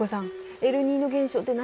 エルニーニョ現象って何？